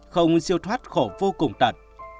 không siêu thoát khổ vô cùng tật